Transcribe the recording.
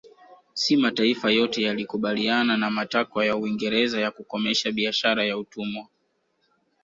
Si mataifa yote yalikubaliana na matakwa ya Uingereza ya kukomesha biashara ya utumwa